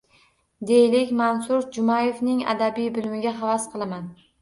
Deylik, Mansur Jumayevning adabiy bilimiga havas qilaman.